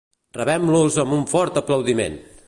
Rebem-los amb un fort aplaudiment!